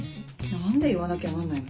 何で言わなきゃなんないの？